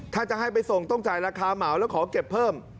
ถ้าจะให้ไปส่งต้องจ่ายราคาเหมาแล้วขอเก็บเพิ่ม